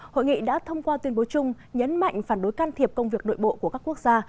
hội nghị đã thông qua tuyên bố chung nhấn mạnh phản đối can thiệp công việc nội bộ của các quốc gia